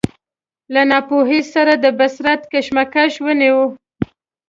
له ناپوهۍ سره د بصیرت کشمکش وینو.